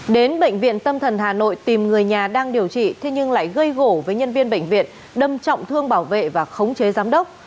đến bệnh viện tâm thần hà nội tìm người nhà đang điều trị thế nhưng lại gây gỗ với nhân viên bệnh viện đâm trọng thương bảo vệ và khống chế giám đốc